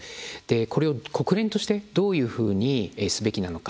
これを国連としてどういうふうにすべきなのか。